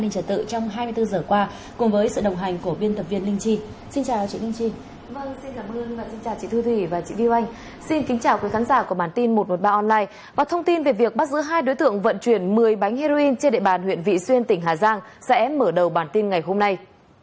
xin chào quý khán giả của bản tin một trăm một mươi ba online và thông tin về việc bắt giữ hai đối tượng vận chuyển một mươi bánh heroin trên địa bàn huyện vị xuyên tỉnh hà giang sẽ mở đầu bản tin ngày hôm nay